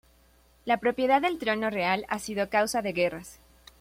La propiedad del trono real ha sido causa de guerras.